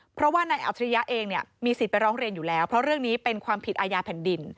เพราะว่านายอัจฉริยะเองเนี่ยมีสิทธิ์ไปร้องเรียนอยู่แล้วเพราะเรื่องนี้เป็นความผิดอาญาแผ่นดิน